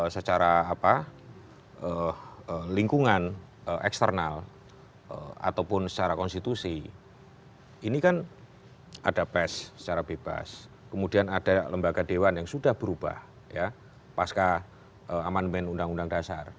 secara lingkungan eksternal ataupun secara konstitusi ini kan ada pes secara bebas kemudian ada lembaga dewan yang sudah berubah pasca aman ben undang undang dasar